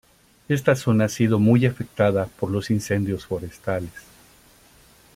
Esta zona ha sido muy afectada por los incendios forestales.